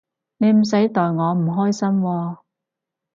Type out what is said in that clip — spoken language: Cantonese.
你唔使代我唔開心喎